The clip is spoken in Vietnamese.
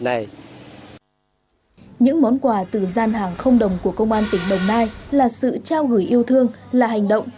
những món quà từ gian hàng không đồng của công an tỉnh đồng nai là sự trao gửi yêu thương là hành động